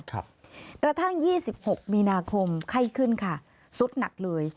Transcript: กระทั่ง๒๖มีนาคมไข้ขึ้นค่ะสุดหนักเลย